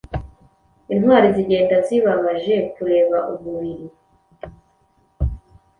Intwali zigenda zibabaje kureba umubiri